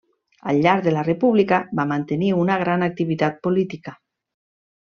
Al llarg de la República va mantenir una gran activitat política.